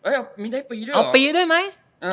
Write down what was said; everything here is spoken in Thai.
เอ้ยมีได้ปีด้วยเหรอ